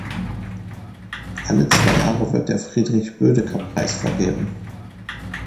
Alle zwei Jahre wird der Friedrich-Bödecker-Preis vergeben.